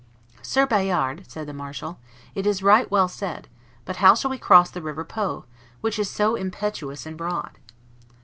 "Sir Bayard," said the marshal, "it is right well said; but how shall we cross the River Po, which is so impetuous and broad?"